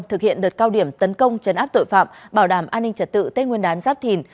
thực hiện đợt cao điểm tấn công chấn áp tội phạm bảo đảm an ninh trật tự tết nguyên đán giáp thìn